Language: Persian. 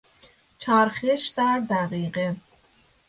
چرخش در دقیقه